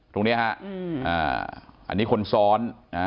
ตรงนี้ฮะอันนี้คนซ้อน